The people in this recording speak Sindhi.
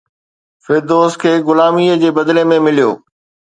فردوس کي غلاميءَ جي بدلي ۾ مليو